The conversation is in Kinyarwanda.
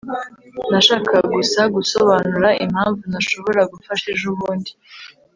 nashakaga gusa gusobanura impamvu ntashobora gufasha ejobundi